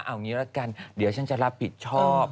เอางี้ละกันเดี๋ยวฉันจะรับผิดชอบ